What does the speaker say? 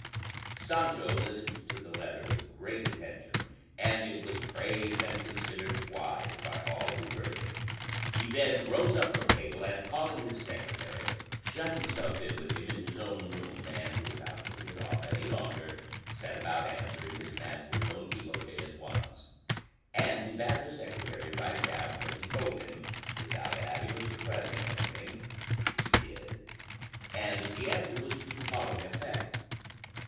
Sancho listened to the letter with great attention, and it was praised and considered wise by all who heard it: he then rose up from table, and calling his secretary, shut himself in with him in his own room, and without putting it off any longer set about answering his master Don Quixote at once; and he bade the secretary write down what he told him, without adding or suppressing anything, which he did; and the answer was to the following effect.